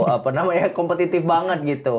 apa namanya kompetitif banget gitu